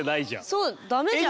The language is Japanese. そうダメじゃん。